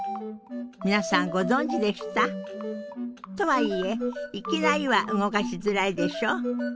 皆さんご存じでした？とはいえいきなりは動かしづらいでしょ？